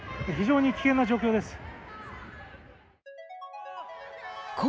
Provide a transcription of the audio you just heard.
非常に危険な状況です。